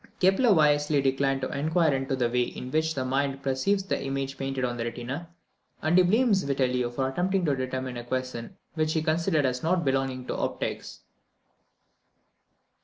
Kepler wisely declined to inquire into the way in which the mind perceives the images painted on the retina, and he blames Vitellio for attempting to determine a question which he considered as not belonging to optics.